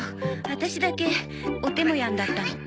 ワタシだけおてもやんだったの。